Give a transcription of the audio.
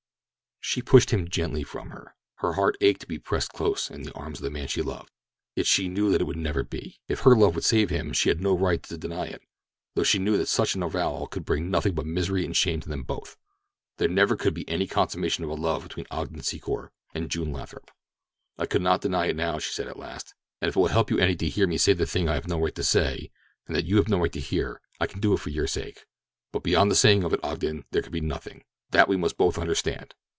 She pushed him gently from her. Her heart ached to be pressed close in the arms of the man she loved; yet she knew that it could never be. If her love would save him, she had no right to deny it, though she knew that such an avowal could bring nothing but misery and shame to them both; there never could be any consummation of a love between Ogden Secor and June Lathrop. "I could not deny it now," she said at last, "and if it will help you any to hear me say the thing I have no right to say, or that you have no right to hear, I can do it for your sake; but beyond the saying of it, Ogden, there can be nothing. That we must both understand.